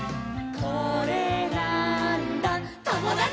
「これなーんだ『ともだち！』」